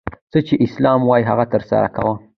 څه چي اسلام وايي هغه ترسره کوه!